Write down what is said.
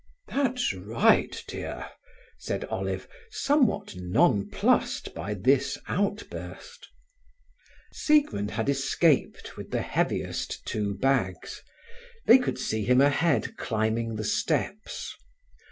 "That's right, dear," said Olive, somewhat nonplussed by this outburst. Siegmund had escaped with the heaviest two bags. They could see him ahead, climbing the steps.